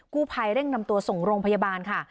กู้ภัยเร่งนำตัวส่งโรงพยาบาลค่ะ